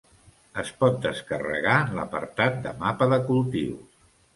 Es pot descarregar en l'apartat de mapa de cultius.